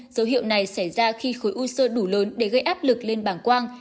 dấu hiệu này xảy ra khi khối u sơ đủ lớn để gây áp lực lên bảng quang